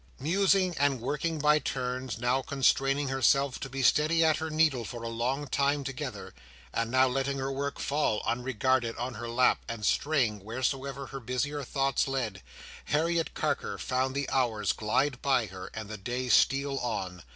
Musing and working by turns; now constraining herself to be steady at her needle for a long time together, and now letting her work fall, unregarded, on her lap, and straying wheresoever her busier thoughts led, Harriet Carker found the hours glide by her, and the day steal on.